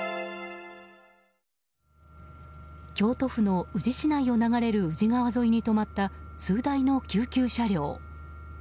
京都府の宇治市内を流れる宇治川沿いに止まった数台の救急車両。